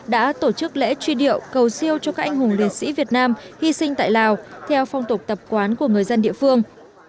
đã tổ chức lễ truy điệu cầu siêu cho các anh hùng liệt sĩ việt nam hy sinh tại lào theo phong tục tập quán của người dân địa phương